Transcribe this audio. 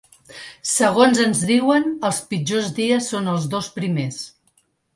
Segons ens diuen els pitjors dies són els dos primers.